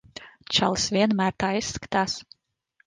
Čalis vienmēr tā izskatās.